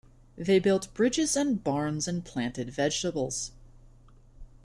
They built bridges and barns and planted vegetables.